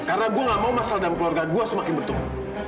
karena gue gak mau masalah dalam keluarga gue semakin bertumpuk